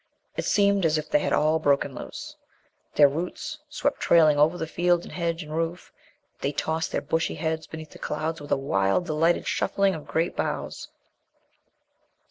It seemed as if they had all broken loose. Their roots swept trailing over field and hedge and roof. They tossed their bushy heads beneath the clouds with a wild, delighted shuffling of great boughs.